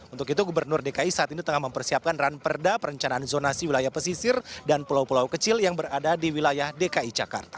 untuk itu gubernur dki saat ini tengah mempersiapkan ranperda perencanaan zonasi wilayah pesisir dan pulau pulau kecil yang berada di wilayah dki jakarta